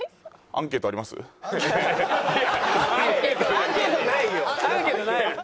アンケートない。